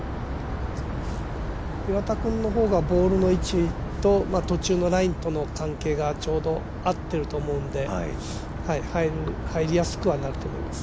岩田君の方がボールの位置と途中のラインとの関係がちょうど合っていると思うので、入りやすくはなると思います。